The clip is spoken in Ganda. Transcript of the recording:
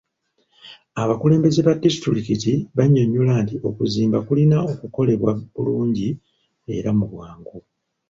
Abakulembeze ba disitulikiti bannyonnyola nti okuzimba kulina okukolebwa bulungi era mu bwangu.